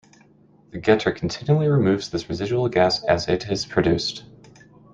The getter continually removes this residual gas as it is produced.